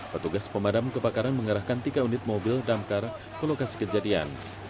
petugas pemadam kebakaran mengerahkan tiga unit mobil damkar ke lokasi kejadian